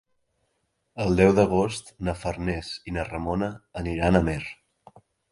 El deu d'agost na Farners i na Ramona aniran a Amer.